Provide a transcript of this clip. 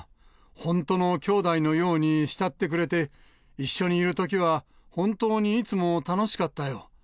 ほんとの兄弟のように慕ってくれて、一緒にいるときは、本当にいつも楽しかったよ。